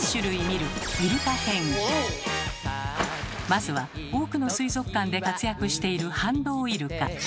まずは多くの水族館で活躍しているハンドウイルカ。